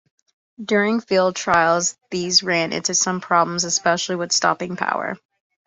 During field trials these ran into some problems, especially with stopping power.